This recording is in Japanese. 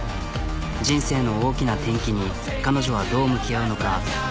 人生の大きな転機に彼女はどう向き合うのか。